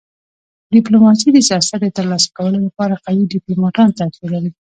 ډيپلوماسي د سیاست د تر لاسه کولو لپاره قوي ډيپلوماتانو ته اړتیا لري.